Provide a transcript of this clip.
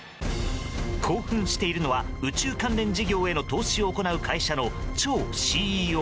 興奮しているのは宇宙関連事業への投資を行う会社のチョウＣＥＯ。